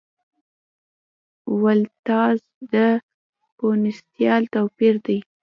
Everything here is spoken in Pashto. ولتاژ د پوتنسیال توپیر دی.